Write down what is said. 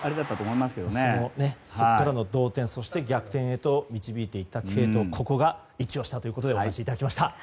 そこからの同点そして逆転へと導いていった継投がイチ押しだということでお話しいただきました。